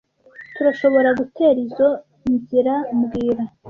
Turashoboragutera izoi nzira mbwira